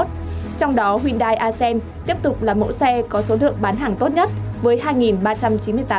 trong đó hyundai ascend tiếp tục là mẫu xe có số lượng bán hàng tốt nhất với hai ba trăm chín mươi tám xe đến tay khách hàng